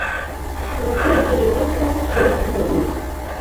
turatekerezako nshobora kubisobanura.